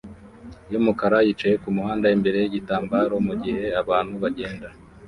yumukara yicaye kumuhanda imbere yigitambaro mugihe abantu bagenda